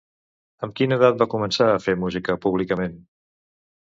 Amb quina edat va començar a fer música públicament?